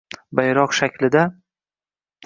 bayroq shaklida